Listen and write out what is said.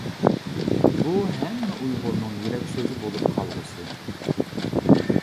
بۇ ھەممە ئۇيغۇرنىڭ يۈرەك سۆزى بولۇپ قالغۇسى.